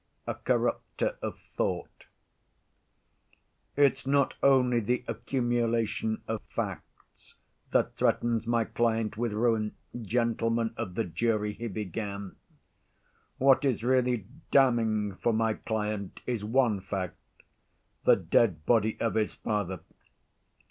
A Corrupter Of Thought "It's not only the accumulation of facts that threatens my client with ruin, gentlemen of the jury," he began, "what is really damning for my client is one fact—the dead body of his father.